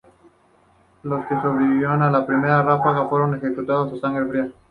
Los que sobrevivieron a la primera ráfaga fueron ejecutados a sangre fría.